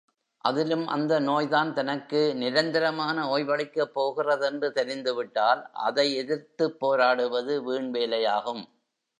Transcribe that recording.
அதிலும் அந்த நோய்தான் தனக்கு நிரந்தரமான ஓய்வளிக்கப்போகின்றதென்று தெரிந்துவிட்டால் அதை எதிர்த்துப் போராடுவது வீண் வேலையாகும்.